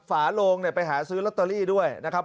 ฝาโลงไปหาซื้อลอตเตอรี่ด้วยนะครับ